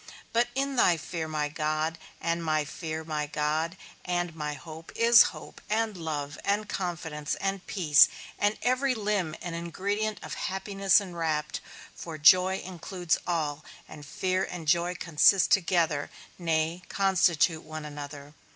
But in thy fear, my God, and my fear, my God, and my hope, is hope, and love, and confidence, and peace, and every limb and ingredient of happiness enwrapped; for joy includes all, and fear and joy consist together, nay, constitute one another.